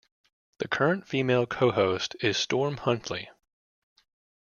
The current female co-host is Storm Huntley.